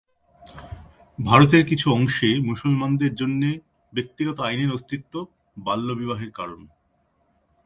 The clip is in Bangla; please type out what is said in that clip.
ভারতের কিছু অংশে মুসলমানদের জন্যে ব্যক্তিগত আইনের অস্তিত্ব বাল্যবিবাহের কারণ।